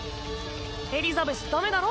エリザベスダメだろ。